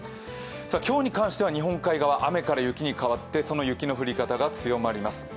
今日に関しては日本海側雨から雪に変わってその雪の降り方が強まります。